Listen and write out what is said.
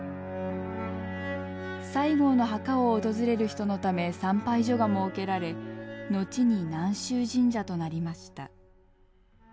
西郷の墓を訪れる人のため参拝所が設けられ後に南洲神社となりました。